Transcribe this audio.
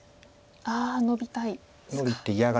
ノビたいですか。